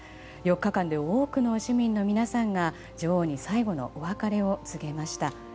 ４日間で多くの市民の皆さんが女王に最後のお別れを告げました。